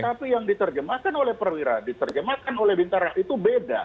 tapi yang diterjemahkan oleh perwira diterjemahkan oleh bintara itu beda